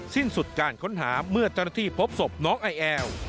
สิ้นสุดการค้นหาเมื่อเจ้าหน้าที่พบศพน้องไอแอล